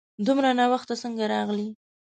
دومره ناوخته څنګه راغلې ؟